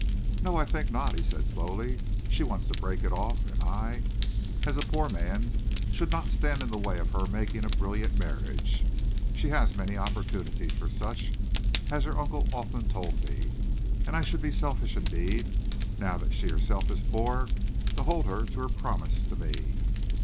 "No, I think not," he said slowly. "She wants to break it off, and I, as a poor man, should not stand in the way of her making a brilliant marriage. She has many opportunities for such, as her uncle often told me, and I should be selfish indeed, now that she herself is poor, to hold her to her promise to me."